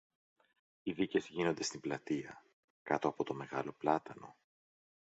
Οι δίκες γίνονται στην πλατεία, κάτω από το μεγάλο πλάτανο.